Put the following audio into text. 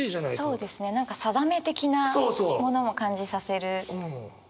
そうですね定め的なものも感じさせる。